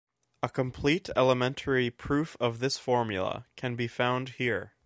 A complete elementary proof of this formula can be found here.